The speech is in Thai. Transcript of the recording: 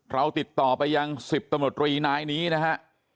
เราติดต่อไปยัง๑๐ตำรวจรีนายนี้นะฮะ